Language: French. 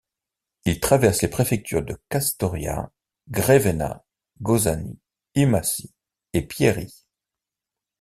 Il traverse les préfectures de Kastoria, Grevena, Kozani, Imathie et Piérie.